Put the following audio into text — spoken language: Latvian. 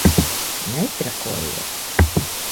Netrakojiet!